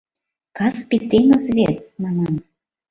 Каспий теҥыз вет, — манам.